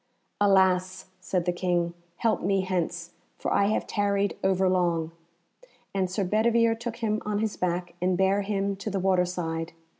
"Alas!" said the King, "help me hence, for I have tarried overlong;" and Sir Bedivere took him on his back, and bare him to the water side.